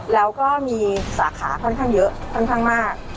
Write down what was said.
แล้วก็มีสาขาค่อนข้างเยอะค่อนข้างมาก